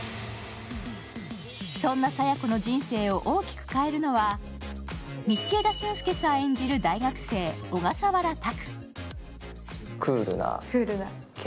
そんな佐弥子の人生を大きく変えるのは道枝駿佑さん演じる大学生・小笠原拓。